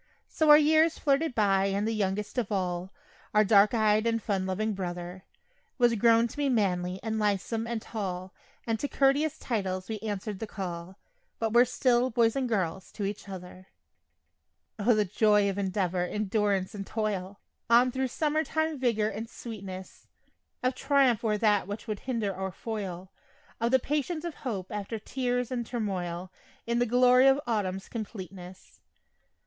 So our years flitted by and the youngest of all Our dark eyed and fun loving brother Was grown to be manly and lithesome and tall, And to couteous titles we answered the call, But were still "boys" and "girls" to each other. O, the joy of endeavor, endurance and toil On thro' summer time vigor and sweetness, Of triumph o'er that which would hinder or foil, Of the patience of hope after tears and turmoil, In the glory of autumn's completeness.